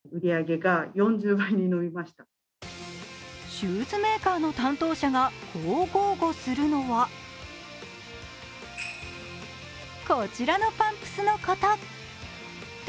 シューズメーカーの担当者がこう豪語するのは、こちらのパンプスのこと。